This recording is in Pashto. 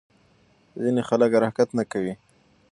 ځینې خلک حرکت نه کوي.